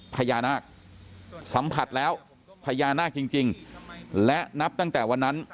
พญานาคสัมผัสแล้วพญานาคจริงและนับตั้งแต่วันนั้น